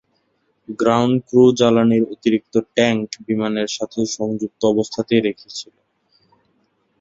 Ground crew জ্বালানীর অতিরিক্ত tank বিমানের সাথে সংযুক্ত অবস্থাতেই রেখেছিল।